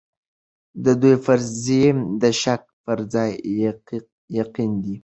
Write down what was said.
د دوی فرضيې د شک پر ځای يقين دي.